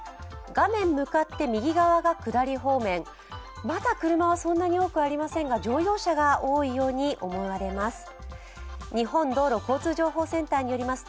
画面向かって右側が下り方面、まだ車はそんなに多くはありませんが乗用車が多いように思われます。